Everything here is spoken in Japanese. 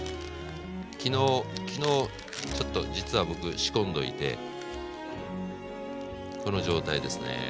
昨日昨日ちょっと実は僕仕込んどいてこの状態ですね。